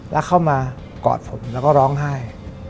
แล้วเข้ามากอดผมแล้วก็ร้องไห้